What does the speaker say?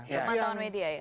pemantauan media ya